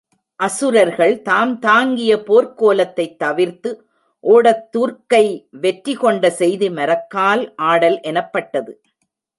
அசுரர்கள் தாம் தாங்கிய போர்க் கோலத்தைத் தவிர்த்து ஒடத் துர்க்கை வெற்றி கொண்ட செய்தி மரக்கால் ஆடல் எனப்பட்டது.